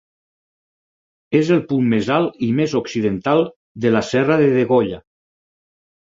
És el punt més alt i més occidental de la Serra de Degolla.